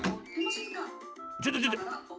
ちょっとちょっと。